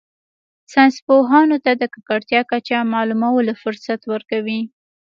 ساینس پوهانو ته د ککړتیا کچه معلومولو فرصت ورکوي